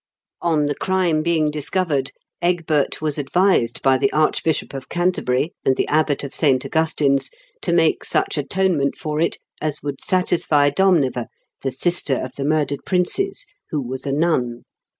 On the crime being discovered, Egbert was advised by the Archbishop of Canterbury and the Abbot of St. Augustine's to make such atonement for it as would satisfy Domneva, the sister of the murdered princes, who was a nun.